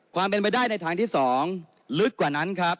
ความเป็นไปได้ในทางที่๒ลึกกว่านั้นครับ